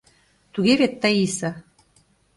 Туге вет, Таиса?